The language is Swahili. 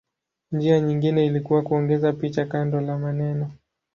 Njia nyingine ilikuwa kuongeza picha kando la maneno.